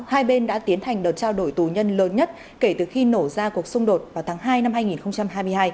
hai bên đã tiến hành đợt trao đổi tù nhân lớn nhất kể từ khi nổ ra cuộc xung đột vào tháng hai năm hai nghìn hai mươi hai